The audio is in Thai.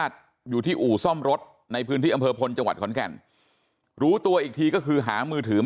ตอนนั้นเนี่ย